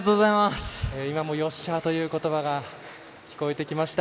今も「よっしゃ！」ということばが聞こえてきました。